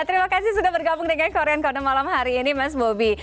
terima kasih sudah bergabung dengan korean corner malam hari ini mas bobi